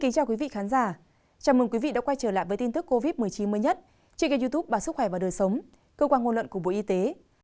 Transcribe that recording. chào mừng quý vị đã quay trở lại với tin tức covid một mươi chín mới nhất trên kênh youtube bà sức khỏe và đời sống cơ quan ngôn luận của bộ y tế